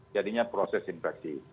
jadinya proses infeksi